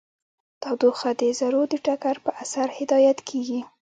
تودوخه د ذرو د ټکر په اثر هدایت کیږي.